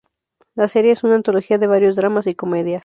La serie es una antología de varios dramas y comedias.